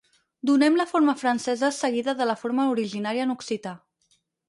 Donem la forma francesa seguida de la forma originària en occità.